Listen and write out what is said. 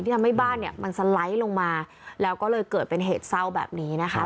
ทำให้บ้านเนี่ยมันสไลด์ลงมาแล้วก็เลยเกิดเป็นเหตุเศร้าแบบนี้นะคะ